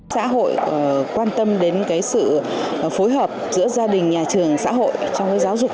xã hội quan tâm đến sự phối hợp giữa gia đình nhà trường xã hội trong giáo dục